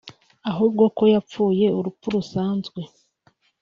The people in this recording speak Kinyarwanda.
ahubwo ko yapfuye urupfu rusanzwe